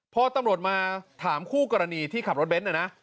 พอตำรวจมาถามคู่กรณีที่ขับรถเบ้นนะนะ